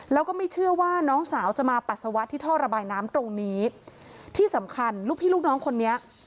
แล้วก็ไม่เชื่อว่าน้องสาวจะมาปัสสาวะที่ท่อระบายน้ำตรงนี้ที่สำคัญลูกพี่ลูกน้องคนนี้